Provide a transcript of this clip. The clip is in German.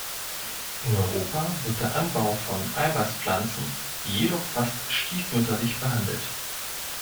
In Europa wird der Anbau von Eiweißpflanzen jedoch fast stiefmütterlich behandelt.